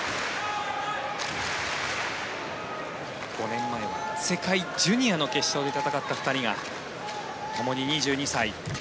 ５年前は世界ジュニアの決勝で戦った２人がともに２２歳。